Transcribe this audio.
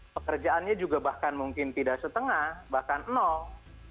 pekerjaannya juga bahkan mungkin tidak setengah bahkan nol